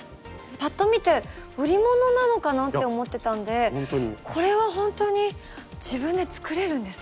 パッと見て売り物なのかなって思ってたんでこれはほんとに自分で作れるんですか？